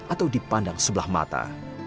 atau dipandang sebelah mata